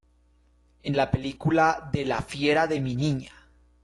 En la película de La fiera de mi niña!